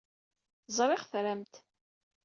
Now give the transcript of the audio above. Ẓriɣ tram-t.